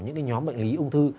những nhóm bệnh lý ung thư